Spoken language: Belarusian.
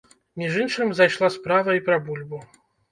Між іншым зайшла справа і пра бульбу.